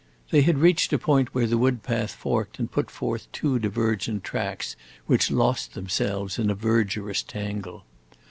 They had reached a point where the wood path forked and put forth two divergent tracks which lost themselves in a verdurous tangle.